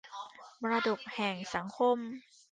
มรดกแห่งสังคม